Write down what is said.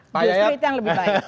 justru itu yang lebih baik